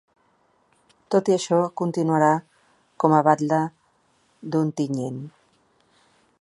Tot i això, continuarà com a batle d’Ontinyent.